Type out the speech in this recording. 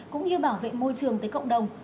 cũng như bảo vệ môi trường tới cộng đồng